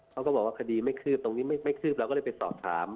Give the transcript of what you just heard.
เขาก็บอกว่าคดีไม่คืบตรงนี้ไม่คืบเราก็เลยไปสอบถาม